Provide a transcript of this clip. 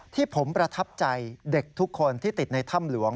ที่ผมประทับใจเด็กทุกคนที่ติดในถ้ำหลวง